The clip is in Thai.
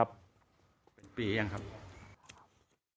เป็นปียังครับ